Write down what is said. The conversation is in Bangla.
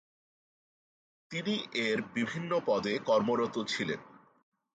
তিনি এর বিভিন্ন পদে কর্মরত ছিলেন।